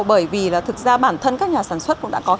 bởi vì là thực ra bản thân các nhà sản xuất cũng đã có